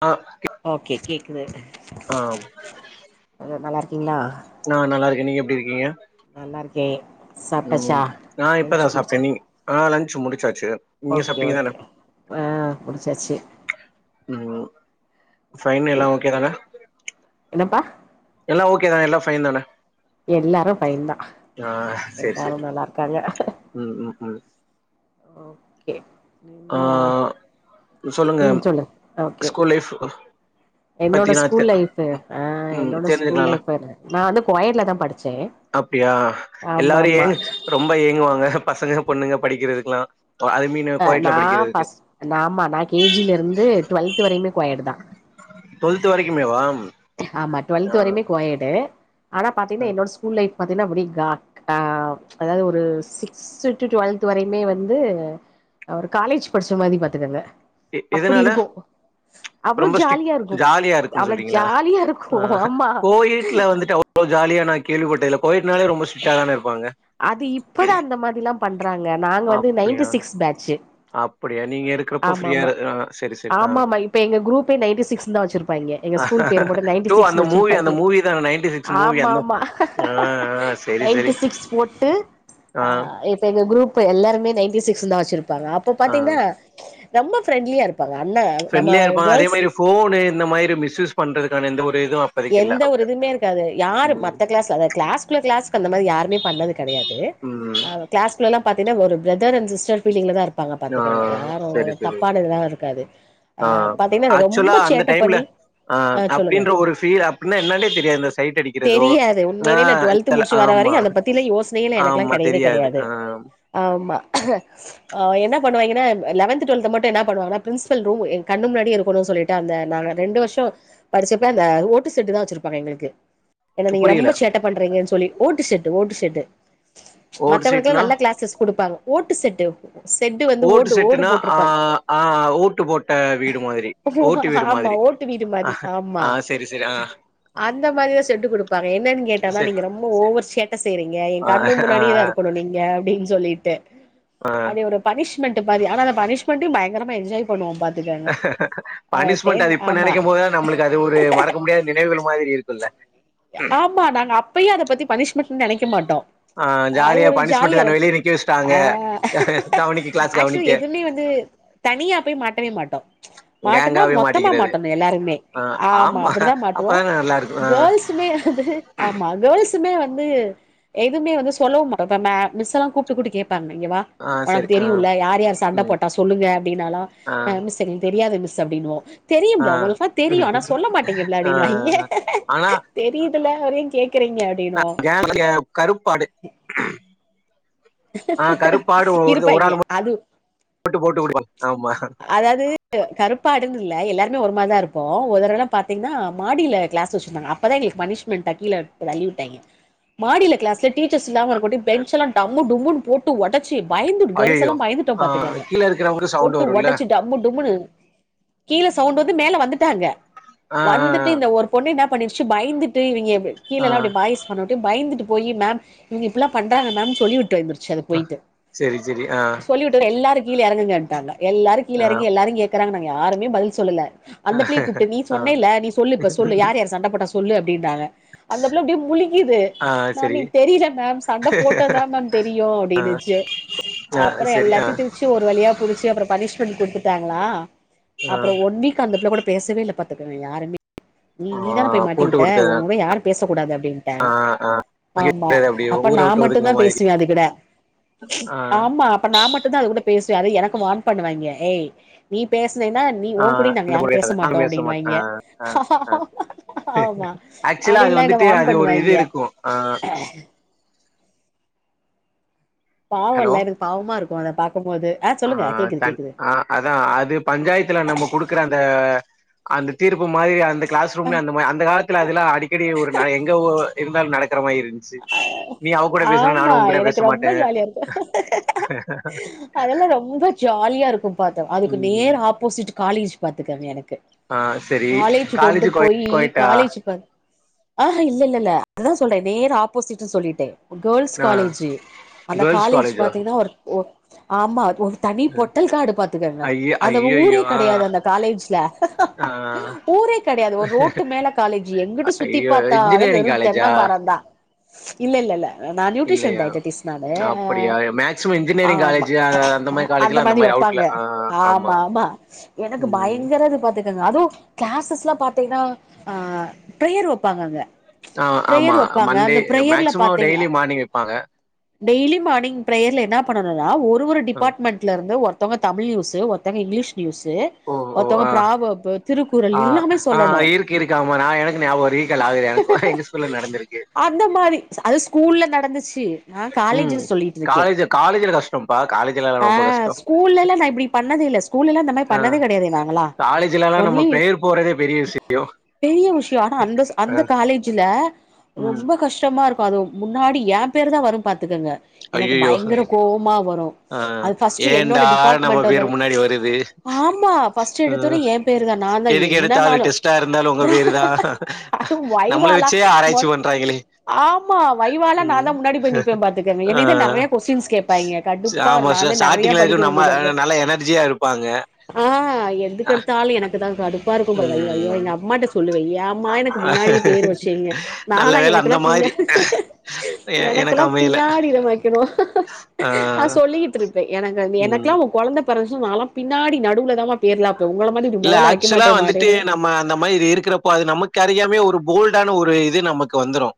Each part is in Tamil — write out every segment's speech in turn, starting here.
அ ஓகே கேக்குது அத நல்லார்க்கீங்ளா ஆ நல்லாருக்கே நீங்க எப்டிருக்கீங்க நல்லாருக்கேன் சாப்ட்டாச்சா நா இப்பதா லஞ்ச் சாப்ட்டே முடிச்சா நீ ஆ லன்ட்சு முடிச்சாச்சு நீங்க ஓகே சாப்ட்டீங்க தான ஓகே ஆ முடுச்சாச்சு ம் ஃபைன் எல்லா ஓகே தான என்னப்பா எல்லா ஓகே தான எல்லா ஃபைன் தான எல்லாரு ஃபைன் தா ஆ சேரி எல்லாரு சேரி நல்லாருக்காங்க ம் ம் ம் ஓகே ஆ நீன்த சொல்லுங்க ம் சொல்லு ஓகே ஸ்கூல் லைஃப் என்னோட பத்தினா தெ ஸ்கூல் லைஃப் ஆ ம் என்னோட ஸ்கூல் தெரிஞ்சுக்கலால லைஃப் நா வந்து கோயர்ட்ல தா படிச்சே அப்டியா ஆமா எல்லாரு ஆமா ஏங்கு ரொம்ப ஏங்குவாங்க பசங்க பொண்ணுங்க படிக்கிறதுக்ல்லா [unintelligible] அ நா ஃபர்ஸ்ட் நா ஆமா நா கே ஜிலருந்து டுவல்த் வரையுமே கோயடு தான் டொல்த்து வரைக்குமேவா ஆமா டுவல்த் ஆ வரையுமே கோயடு ஆனா பாத்தீங்ன்னா என்னோட ஸ்க் கூல் லைஃப் பாத்தீங்ன்னா அப்டே கா அ அதாவ்து ஒரு சிக்ஸ் ஸ் டு டுவல்த் வரையுமே வந்து ஒரு காலேஜ் படிச்ச மாறி பாத்துக்கங்க எ அப்புடி எதனால இருக்கூ அவ்ளோ ரொம்ப ஸ்ட்ரிக் ஜாலியா இருக்கூ ஜாலியா இருக்குன்னு அவ்ள சொல்றீங்களா ஜாலியா இருக்கூ ஆமா ளோ ஜாலியா நா கேள்விப்பட்டே இல கோயட்டனாலே ரொம்ப ஸ்ரிக்டா தானே இருப்பாங்க அது இப்பதா அந்த மாதிரில்லா பண்றாங்க நாங்க வந்து நைன்டி சிக்ஸ் பேட்ச்சு அப்படியா நீங்க இருக்கிற ஆமா ஆமா ஆமா ஆமா இப்ப எங்க குரூப்பே நைன்டி சிக்ஸ்ன் தா வச்சிருப்பாங்ஞ எங்க ஸ்கூல் பேர போட்டு நைன்டி ஓ அந்த சிக்ஸ்னு மூவி அந்த வச்சிருப்பாய்ங்ஞ மூவி தான நைன்டி சிக்ஸ் மூவி ஆமா அந்த ஆமா ஆ ஆ சரி சரி நைன்டி சிக்ஸ் போட்டு ஆ இப்ப எங்க குரூப் எல்லாருமே நைன்டி சிக்ஸ்ன் தான் வச்சிருப்பாங்க அப்ப ஆ பாத்தீங்ன்னா ரொம்ப ஃப்ரெண்ட்லியா இருப் ருப்பாங்க அண்ணா நம்ம ஃப்ரெண்ட்லியா இருப்பாங்க அதே கேர்ள்ஸ் மாரி ஃபோனு இந்த மாரி மிஸ்யூஸ் பண்ணுறதுக்கான எந்த ஒரு இதுவு அப்பதைக்கு இல்ல எந்த ஒரு அப்டியா இதுமே இருக்காது யாரு ம் மத்த கிளாஸ்ல அதாவ்து கிளாஸ்குள்ள கிளாஸ்க்கு அந்த மாரி யாருமே பண்ணது கெடையாது ம் அ கிளாஸ்குல்லலாம் பாத்தீங்ன்னா ஒரு பிரதர் அண்ட் சிஸ்டர் ஃபீலிங்ல தான் இரு ப்பாங்க ஆ பாத்துக்கங்க யாரு சரி சரி தப்பானதுலா இருக்காது ஆ பாத்தீங்கன்னா ஆக்சுவலா ரொம்ப அந்த சேட்ட டைம்ல பண்ணி அ ஆ சொல்லுங்க அப்டின்ற ஒரு ஃபீல் அப்டின்னா என்னன்டே தெரியாது சைட் அடிக்கிறதோ தெரியாது ஆ உண்மையிலே நா டுவல்த் முடிச்சு வர ஆமா வரையும் அதை பத்தில யோசனைையில எனக்கெல்லா ஆமா கெடையவே தெரியாது கெடையாது ஆ ஆமா அ என்ன பண்ணுவாங்ஞன்னா லெவன்த் டுவல்த்த மட்டு என்ன பண்ணுவாகனா ப்ரின்ஸ்பல் ரூம் கண்ணு முன்னாடி இருக்கனு சொல்லிட்டு டு அந்த நாங்க ரெண்டு வருஷொ படிச்சப்ப அந்த ஓட் டு செட்டு தா வச்சிருப்பாங்க எங்களுக்கு ஏன்னா நீங்க புரியல ரொம்ப சேட்ட பண்றீங்கன் சொல்லி ஓட்டு செட்டு ஓட்டு செட்டு ஓட்டு மத்தவங்களுக்கெல்லா சீட்னா நல்லா க்ளாசஸ் குடுப்பாங்க ஓட்டு செட்டு செட்டு வந்து ஓட்டு ஓடு செட்டுனா அ போட்டிருப்பாங்க ஆ ஓட்டு போட்ட வீடு மாறி ஓட்டு வீடு ஆமா மாத்ரி ஓட்டு வீடு மாதி ஆமா ஆ செரி செரி ஆ அந்த மாறிதா செட்டு கொடுப்பாங்க என்னன்னு கேட்டனா செரி நீங்க ரொம்ப ஒவர் சேட்ட செய்யறீங்க என் ஆ கண்ணு‌ ஆ முன்னாடியேதா இருக்கு குனு நீங்க அப்டின் சொல்லிட்டு டு ஆ அது ஒரு பனிஷ்மெண்ட் பாதி ஆனா பனிஷ்மெண்டயு பயங்கரமா என்ஜாய் பண்ணுவோ பாத்துக்க பனிஷ்மெண்ட்ட அது இப்ப நெனைக்கும் போதுதா நம்மளுக்கு அது ஒரு மறக்க முடியாத நினைவுகள் மாதிரி இருக்குல்ல ஆமா நாங்க அப்பயையே அத பத்தி பனிஷ்மெண்ட்ன்னு நெனைக்க மாட்டோ ஆ அது ஜாலியா ஒரு பனிஷ்மெண்ட் ஜாலியா தான இருக்கூ வெளிய நிக்க வச்சுட்டாங்க அ கவனிக்க கிளாஸ் ஆக்சுவலி கவனிக்க எதுமே வந்து தனியா போய் மாட்டவே மாட்டோ மாட்டனா கேங்காவே மொத்தமா மாட்டிக்கிறது மாட்டணு எல்லாருமே ஆமா அப்படிதா மாட் அப்பதான நல்லா இருக்கூ துமே அது ஆமா கேர்ள்ஸ் த்துமே வந்து எதுமே வந்து சொல்லவூ மே மிஸ்ஸலா கூட்டு கூட்டு கேப்பாங்க இங்க வா ஆ உனக்கு சரி ஆ தெரியுல யார் யார் சண்ட ம் போட்டா சொல்லுங்க அப்டின்னாலா ஆ மிஸ் தெரிந் தெரியாது மிஸ் அப்டின்னுவோ ஆ தெரியும்புள உங்களுக்குலா தெரியு ஆனா சொல்ல மாட்டேங்கபிள ஆ அப்டின்னுவாய்ங்க ஆனா தெரியுட்டுல அப்ற ஏ கேக்குறீங்க அப்டின்னு [inaudible] கருப்பாடு ஆ கருப்பாடு ஒரு இருப்பாய்ங்க ஆள் அது மட்டு போட்டு குடுப்பாங் ஆமா கருப்பாடுன்னுல்ல எல்லாருமே ஒரு மாரிதா இருப்போ ஒரு தடவ பாத்தீங்னா மாடில கிளாஸ் வச்சிருந்தாங்க அப்பதா எங்களுக்கு பனிஷ் மென்ட்டா கீழ தள்ளி விட்டாய்ங்க மாடில கிளாஸ்ல டீச்சர்ஸ்லா வருங்காட்டி பெஞ்செல்லாம் டம்மு டும்முன் போட்டு ஒடச் சி பயந்துட் கேர்ள்ஸ் ஐயயோ எல்லா பயந்துட்டோ ஆ பாத்துக்கங்க கீழ இருக்கிறவங்களுக்கு சவுண்ட் போட்டு வருல்ல ஒடைச்சிட் டம்மு டுமீமுனு கீழே சவுண்ட் வந்து மேல வந்துட்டாங்க ஆ வந்துட்டு ஆ இந்த ஒரு பொண்ணுா என்ன பண்ணிருச்சு பயந்துட்டு இவிங்க ஆ கீழல்லா அப்டி பாய்ஸ் பண்ணுட்டு பயந்துட்டு போய் மேம் இங்க இப்பெல்லா பண்றாங்க மேம் சொல்லி வுட்டு வந்துருச் சு அது ஆ போயிட்டு செரி செரி ஆ சொல்லிவுட்டு எல்லாரு கீழே எறங்குங்கன்ட்டாங்க எல்லாரு கீழ ஆ எறங்கி எல்லாரயூ கேக் கிறாங்க யாருமே பதில் சொல்லல அந்த ஆ பிள்ளய கூப்ட்டு நீ சொன்னேல்ல நீ சொல்லு இப்ப சொல்லு யார் யார் சண்ட போட்டா சொல்லு அப்டின்டாங்க அந்த புள்ள அப்டி முழிக்கிது ஆ ந நீ செரி தெரில மேம் சண்ட போட் டதா மேம் தெரியு அப்டினுச்சு ஆ அப்றோ செரி ஆ எல்லாத்தையு துவிச் டு ஒரு வழியா புடிச்சு அப்றோ பனிஷ்மென்ட் குடுத்துட்டாங்களா ஆ அப்பறோ ஒன் வீக் அந்த பிள்ள கூட பேசவே இல்ல பாத்துக்கங்க யாருமே நீ ஆ நீ தானே போய் மாட்டி போட்டு விட்ட குடுத்தது உங்கூட யாரு பேச கூடாது அப்டின்ட்டே ஆமா அப்டியே அப்ப ஊர நா விட்டு மட் ஒதுக்குன டுதா மாதிரி பேசுவே அதுகூட ஆ ஆமா அப்ப நா மட்டுதா அதுகூட பேசுவே அதூ எனக்கு வார்ன் பண்ணுவாய்ங்க ஏய் நீ பேசுனேன்னா நீ ஆ உங்கூடயூ நாங்க யாரு பேச நானு மாட்டோ மாட்ட ஆ அப்டின்னுவாய்ங்க ஆ ஆமா ஆக்சுவலா அது அப்டின்லா என்ன வந்துட்டு வார்ன் அது ஒரு இது பண்ணுவாய்ங்க இருக்கூ ஆ பாவோ ஹலோ இல்ல எனக்கு பாவமா இருக்கூ அத பாக்கும்போது ஆ சொல்லுங்க கேக்குது தன் கேக்குது ஆ அதா அது பஞ்சாயத்துல நம்ம குடுக்கற அந்த அந்த தீர்ப்பு மாரி அந்த கிளாஸ் ரூம்ல அந்தமா அந்த காலத்துல அதெல்லா அடிக்கடி ஒரு நா எங்க ஓ இருந்தாலு நடக்கிற மாரி இரு சு அ நீ அவ கூட பேசுற ஆமா நானு உன் கூட எனக்கு பேச ரொம்ப மாட்டே ஜாலியா அதெல்லா ரொம்ப ஜாலியா இருக்கூ பாத்தோ அதுக்கு நேர் ம் ஆப்போசிட் காலேஜ் பாத்துக்கோங்க எனக்கு ஆ சரி காலேஜ் கொண்டு கோ போயி கோயட்டா காலேஜு பாத் ஆஹ இல்லல்லல அதா சொல்றே நேர் ஆப்போசிட்டு சொல்லிட்டே கேர்ள்ஸ் ஆ காலேஜு அந்த கேர்ள்ஸ் காலேஜ் காலேஜா பாத்தீங்னா ஒர் ஒர் ஆமா ஒரு தனி பொட்டல் காடு பாத்துக்கங்க ஐய அந்த ஊரே ஐயய்யோ ஆ கெடையாது அந்த காலேஜ்ல ஆ ஊரே கெடையாது ஒரு ரோட்டு மேல காலேஜு எங்கிட்டு சுத்தி ஐயோ பாரக்ஷத்தாலு இன்ஜினியரிங் வெறு காலேஜா தென்ன மரந்தா இல்லல்லல நா நியூட்ரிஷன் இல்லையா டயடிடிஸ் நானு அப்படியா மேக்சிமம் இன்ஜினியரிங் ஆமா காலேஜ் மாரி அந்த காலேஜ்ல மாரி அவுட்ல வெப்பாங்க ஆ ஆமா ஆமா எனக்கு ம் பயங்கரது பாத்து கங்க அதூ கிளாஸஸ்லா பாத்தீஙன்னா ப்ரேயர் வெப்பாங்க அங்க ஆ பிரேயர் ஆமா வப்பாங்க மண்டே அந்த பிரேயர்ல மேக்சிமோ பாத்தீங்கன்னா டெய்லி மார்னிங் வெப்பாங்க டெய்லி மார்னிங் பிரேயர்ல என்ன பண்ணனுனா ஒரு ஒரு ஆ டிபார்ட்மெண்ட் லருந்து ஒருத்தவுங்க தமிழ் நியூஸு ஒருத்தங்க இங்கிலீஷ் நியூஸு ஓ ஓ ஒருத்தவங்க ஆ ப்ராவர்ப்பு திருக்குறள் ஆ எல்லாமே ஆ சொல்லணு இருக்கு இருக்கு ஆமா நா எனக்கு ஞாபோ ரீகால் ஆகுது எனக்கூ எங்க ஸ் ஸ்கூல்ல நடந்திருக் இந்த மாரி அது ஸ்கூல்ல நடந்துச்சு நான் ம் காலேஜில் சொல்லிட்ருக்கே காலேஜ் காலேஜ்ல கஷ்டம்ப்பா காலேஜ்லலா ஆ ரொம்ப கஷ்டோ ஸ்கூல்லல நா இப்டி பண்ணதில்ல ஸ்கூல்லலா இந்த மாதிரி ஆ பண்ணதே கெடையாது நாங்கலா காலேஜ்லலா நம்ம ஒன்லி பிரேயர் போறதே பெரிய விஷயோ பெரிய விஷ்யே ஆனா அந்தஸ் அந்த காலேஜுல ஆ ம் ரொம்ப கஷ்டமா இருக்கும் அது முன்னாடி என் பேரு தான் வரும் பாத்துக்கங்க எனக்கு ஐயையோ பயங்கர கோபமா வரும் ஆ அது ஃபர்ஸ்ட்ட் என்னோட ஏன்டா நம்ம டிபார்ட்மெண்ட பேரு வ த முன்னாடி வருது ஆமா பஃர்ஸ்ட் ஆ எடுத்தோனே என்ன் போயிருதான் நான் தான் எதுக்கு எடுத்தாலு என்னனாலும் டெஸ்ட்டா இருந்தாலு உங்க பேரு தா அது நம்மள வைவாலா வச்சே ஆராய்ச்சி பண்றாங்களே ஆமா வைவாலா நான் ம் தான் முன்னாடி போய் நிப்பேன் பாத்துக்கோங்க ஆ என்னதான் நிறைய கொஸ்டின்ஸ் கேட்பாங்க கடுப்பா ஆமா நான் வந்து நிறைய ஸ்டார்டிங்ல இருக்க படிக்க நம்ம வேண்டியது வந்துரும் நல்லா எனர்ஜியா இருப்பாங்க ஹா எதுக்கெடுத்தாலும் எனக்கு தான் கடுப்பா இருக்கும் ஐயோ எங்க ம் அம்மா கிட்ட சொல்லுவேன் ஏம்மா எனக்கு முன்னாடி பேர் வச்சீங்க நல்ல நாலா வேல எனக்கு அந்த எனக்கு இல்ல மாரி எ எனக்கு எனக்கெல்லாம் அமையல பின்னாடி எல்லாம் வைக்கணும் ஆ நான் சொல்லிட்டு இருப்பேன் எனக்கு ம் எனக்கெல்லாம் குழந்தை பிறந்துச்சுன்னா எனக்கு பின்னாடி நடுவுல தாமா பேர்லாப்ப உங்களம் இல்ல ஆக்சுவலா வந்துட்டு நம்ம அந்த மாதிரி இருக்கிறப்ப இப்ப அது நமக்கு அறியாமே ஒரு போல்டான ஒரு இது நமக்கு வந்துரும்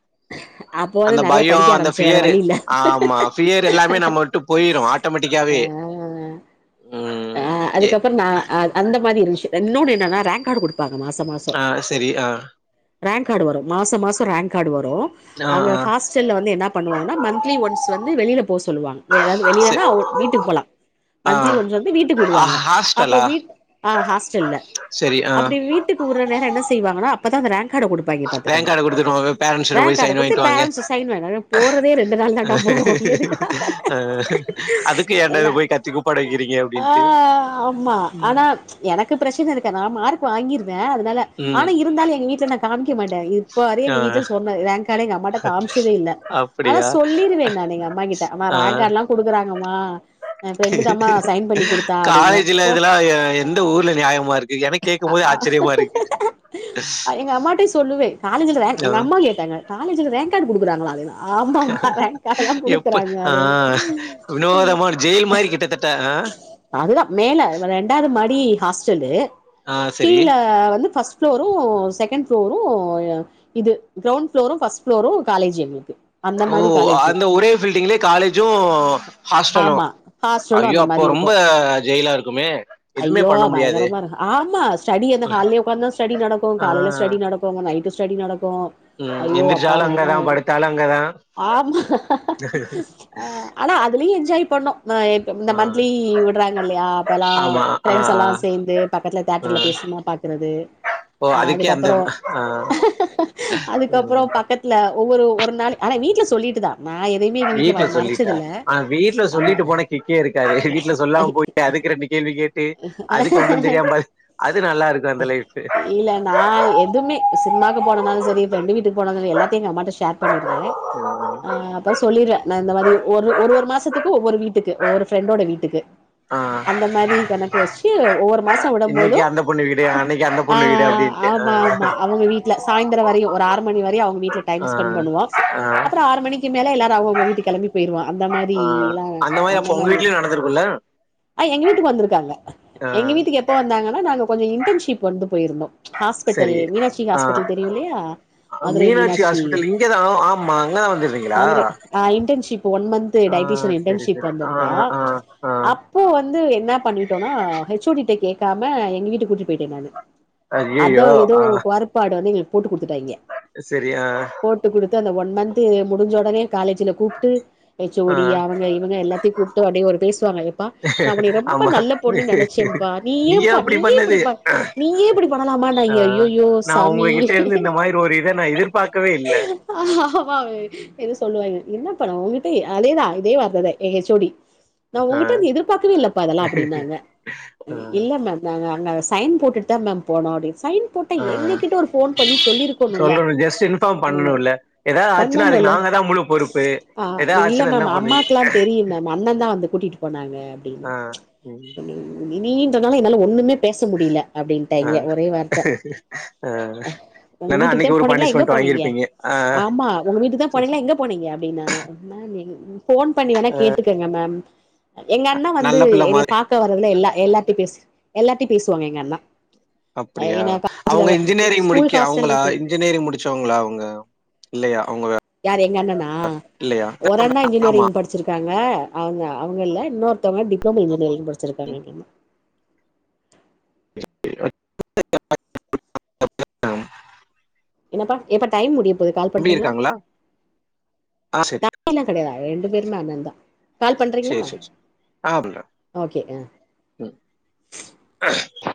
அப்போ வந்து அந்த நெறைய பயம் படிக்க அந்த ஆரம்பிச்சே வேற பியர் வழி இல்ல ஆமா பியர் எல்லாமே நம்ம விட்டு போயிரும் ஆ ஆட்டோமேட்டிக்காவே உம் ஆ அதுக்கப்புறம் ந அந்த மாதிரி இரு இன்னொன்னு என்னன்னா ரேங்க் கார்டு கொடுப்பாங்க மாச மாசம் ஆஹ் சரி ஆஹ் ரேங்க் கார்டு வரும் மாசம் மாசம் ரேங்க் கார்டு வரும் ஆ அங்க ஆ ஹாஸ் செல் வந்து என்ன பண்ணுவாங்கன்னா மந்த்லி ஒன்ஸ் வந்து வெளியில் போ சொல்லுவாங்க இப்ப ஏதாவது ச வெளியிலா வீட்டுக்கு போலாம் ஆ மந்தலி கொஞ்சம் வீட்டு ஆ கூடுவாங்க அப்போ ஹாஸ்டலா வீட் ஹாஸ்டல்ல சரி ஆ அப்படி வீட்டுக்கு ஒரு ஒரு நேரம் என்ன செய்வாங்கோ அப்பதா அந்த ராங்கட கொடு வாங்கி ரேங்க் பாத்துக்காங்க கார்டு குடுத்துருவாங்க பேரண்ட்ஸ்ட போய் ரேங்காட சைன் கொடுத்து வாங்கிட்டு வாங்க பேரன்ஸ் சைன் பண்ண போறதே ரெண்டு நாள் தான் போறோம் எதுக்கு தா ஆஹ அதுக்கு என்ட போய் கத்தி கூப்பாடு வைக்கிறீங்க ஆ அப்டின்ட்டு ஆமா ஆனா ம் எனக்கு பிரச்சனை இருக்கே நான் மார்க் வாங்கிருவேன் அதனால ம் ஆனா இருந்தாலும் எங்க வீட்டல நான் காமிக்க மாட்டேன் இப்ப அ வரையும் எங்க ஆ வீட்டுல சொன்னே ரேங்க் கடை எங்க அம்மாகிட்ட காமிச்சதே இல்ல ஆனா அப்படியா? சொல்லிடுவேன் நான் எங்க அம்மா கிட்ட ஆனா ஆ. ரேங்க்கார்ட் எல்லாம் கொடுக்குறாங்கம்மா ய பிரண்டு தாமா சைன் பண்ணி கொடுத்தா அப்படி என்பேன் காலேஜ்ல இதெல்லாம் எ எந்த ஊர்ல நியாயமா இருக்கு? எனக்கு ஆ கேட்கும்போதே ஆ ஆச்சரியமா இருக்கு. [unintelligible] எங்க அம்மா கிட்ட சொல்லுவே காலேஜ்ல ரேங்க் ஆ. எங்க அம்மா கேட்டாங்க காலேஜ்ல ரேங்க் கார்டு கொடுக்குறாங்கள அததான் ஆமாமா ரேங்காடெல்லாம் எப்ப குடுக்குறாங்க ஆ அட வினோதமான ஜெயில் மாரி கிட்டத்தட்ட. ஆ. அதுதான் மேல ரெண்டாவது மாடி ஹாஸ்டலு ஆ சரி. கீழ வந்து பஸ்ட் ஃப்ளோரும் செகண்ட் ஃப்ளோரும் இது கிரௌண்ட் ஃப்ளோரும் ஃபஸ்ட் ஃப்ளோரும் காலேஜ் எங்களுக்கு அந்த ஓ மாரி காலேஜு அந்த ஒரே பீல்டிங்லயே காலேஜும் ஹாஸ்டலும் ஆமா ஹாஸ்டலு ஐயோ அந்த அப்போ மாரி இருக்கு ரொம்ப ஜெயிலா இருக்குமே எதுவுமே ஐயோ பண்ண முடியாதே! பயங்கரமா இருக்கும் ஆமா ஸ்டடி அந்த ஹால்ல உக்காந்தா ஸ்டடி நடக்கும் ஆ. காலையில ஸ்டடி நடக்கும் இப்போங்க நைட்டு ஸ்டடி நடக்கும் ம். அயோ அப்பா எந்திரிச்சாலும் அங்க நாதா தான், படுத்தாலும் அங்க தான். ஆமா ஆஹ் ஆனா அதுலயும் என்ஜாய் பண்ணோம் இந்த ஆ. மந்த்லி விடுறாங்க இல்லையா அப்போலாம் ஆமா. ஆ, ஃப்ரெண்ட்ஸ் ஆ, எல்லாம் சேர்ந்து பக்கத்துல ஆ. தேட்டர்ல பேசும்மா பார்க்கறது ஓ! அதுக்கே அந்த அதுக்கப்புறம் ஆ. ம். அதுக்கப்புறம் பக்கத்துல ஒவ்வொரு ஒரு நாள் ஆனா வீட்டுல சொல்லிட்டு தான் வீட்லசொல்லிட்டா ஆ வீட்ல ஆமா சொல்லிட்டு போனா கிக்கே இருக்காது வீட்ல சொல்லாம போய் க அதுக்கு ரெண்டு கேள்வி கேட்டு அதுக்கு ஒண்ணு தெரியாம அது நல்லா இருக்கு அந்த லைஃப் இல்ல நா எதுமே சினிமாக்கு போனனாலு சரி ஃப்ரெண்டு வீட்டுக்கு போனாலு எல்லாத்தியு எங்க அம்மாட்ட ஷேர் பண்ணிடுவே ம் ஆஹ் அப்போ சொல்லிறேன் நான் இந்த மாதிரி ஒரு ஒரு ஒவ்வொரு மாசத்து ஒவ்வரு வீட்டுக்கு ஒவ்வொருஃப்ரெண்டோட வீட்டுக்கு ஆஹ அந்த மாதிரி கணக்கு வச்சு ஒவ்வொரு மாசம் சாப்பட போது இன்னைக்கு அந்த பொண்ணு வீடு அன்னைக்கு அந்த ஆ பொண்ணு வீடு ஆ அப்டின்ட்டு ஆ ஆமா ஆமா அவங்க வீட்டுல சாயந்திர வரையுஸஒரு ஆறு மணி வரையு அவுங்க வீட்டல ஆ டைம் ஸ்பெண் பண்ணுவோ ஆ அப்றோ ஆறு மணி க்கு மேல எல்லாரு அவுங்க அவுங்க வீட்டுகு கெளம்பி போயிடுவோ அந்த மாரி ஆ எல்லா மாரி அந்த அப்ப உங்க மாரி வீட்லையு நடந்துருக்குல்ல ஆ எங்க வீட்டுக்கு வந்துருக்காங்க எங்க வீட்டுக்கு வந்தாங்கனா எப்ப வந்தாங்கன்னா கொஞ்சோ இன்டன்ஷிப் வந்து போயிருந்தோ ஹாஸ்பிட்டல் சரி மீனாட்சி ஆ ஹாஸ்பிட்டல் தெரியு இல்லயா மீனாட்சி ஹாஸ்பிட்டல் இங்கதா ஓ ஆமா அங்கதா வந்துட்ந்தீங்களா அ இன்டென்ஷிப் ஒன் மன்த் டயடிஷியன் சரி இன்டர்ன்ஷிப் சரி ஆ வந்துருந்தோ ஆ அப் ஆ ஆ அப்போ வந்து என்ன பண்ணிட்டோன்னா எச் ஓ டிட்ட கேக்காம எங்க வீட்டுகூட்டிட்டு போயிட்டே நானு அதோ ஐயையோ இதோ ஆ ஒரு குயர்பாடு வந்து எங்களுக்கு போட்டு குடுதுட்டாய்ங்க சரி ஆ போட்டு குடுத்து அந்த ஒன் மன்த்து முடிஞ்ச ஒடனே காலேஜ்ல கூப் ட்டு எச் ஓ ஆ டி அவங்க இவங்க எல்லாத்யு கூப்ட்டு அப்டே ஒரு பேசுவாங்க எப்பா நா ஒன்ய ரொம் ப ஆமா நல்ல பொண்ணு நெனைச்சேப்பா நீ நீயா ஏன்பா அப்டி நீயே இப்டி பண்ணது நீயே இப்டி ஆ பண்ணலாமானங்யே நா உங்ககிட்டெர்ந்து இந்த மாதிரி ஒரு இத நா எதிர்பாக்கவே இல்ல ஆமாங் எது சொல்லுவாய்ங்க என்ன படோ உங்கிட்ட அதேதா இதே வர்த்ததெ எ ஹெச் ஓ டி நா ஆ உங்கிட்டருந்து எதிர்பாக்கவே இல்லப்பா இதெலா அப்டின்னாங்க ஆ இல்ல மேம் மேம் அங்க சைன் போட்டுட்டே மேம் போனோவே சைன் போட்டா ஆ எங்ககிட்ட ஒரு போன் பண்ணி சொல்லிருக்கனுல்ல சொல்லணு ஜஸ்ட் இன்ஃபார்ம் அங்க பண்ணணுல்ல ஏதாவது ஆச்சுன்னா அதுக்கு பண்ணனுல்ல நாங்க தா முழு பொறுப்பு ஆ ஏதாவது இல்ல ஆச்சுன்னா என்ன மேம் பண்ணுவீங்க அம்மாக்கலா தெரியு மேம் அண்ணதா வந்து கூட்டிட் போனாங்க ஆ உம் நீ இன்றனால என்னால ஒண்ணுமே பேச முடியேல ஆ அப்டின்ட்டாய்ங்க ஒரே வார்த்த ஆ அ உங்க இல்லன்னா வீட்டுக்குத்தே அன்னைக்கு ஒரு போனீங்ளா எங்க பனிஷ்மெண்ட் போனீங்க வாங்கிருப்பீங்க ஆ ஆமா உங்க வீட்டுக்கு தா போனீங்ளா எங்க போனீங்க அப்டினாங்க மேம் நீங் போன் பண்ணி வேணா கேட்டுக்கங்க மேம் எங்க அண்ணவந்து நல்ல பிள்ள என்னய மாரி பாக்க வர்றதுல எல்லா எல்லார்டியு பேசு எல்லார்டியு பேசுவாங்க எங்க அண்ணா அப்டியா ஏன்னா அவுங்க இன்ஜினியரிங் ஸ்கூல் முடிக்க ஹாஸ்டல்யு அவங்களா தெரி இன்ஜினியரிங் முடிச்சவங்ளா அவுங்க யாரு எங்க அண்ணனா இல்லையா ஒரு அண்ணா ஆமா இஞ்சினியரிங் படி ச்சுருக்காங்க அவுங்க அவுங்க இல்ல இன்னொருத்ங்க டிப்ளமோ இன்ஜினியரிங் முடிச்சிருக்காங்க எங்க அண்ண [unintelligible] [unintelligible] என்னாப்பா யப்பா டைம் முடிய போது கால் தம்பி பண்றீங்ளா இருக்காங்களா ஆ ட சரி அக்கா எல்லா கெடயாது ரெண்டு பேருமே அண்ண தா கால் பண்றீங்ளா சரி சரி சரி. ஆ அப்படிங்களா? ஓகே அ ம் [unintelligible]